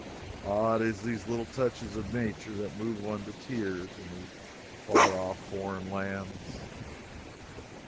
Ah, it is these little touches of nature that move one to tears in these far off foreign lands.